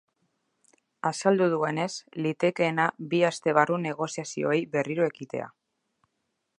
Azaldu duenez, litekeena bi aste barru negoziazioei berriro ekitea.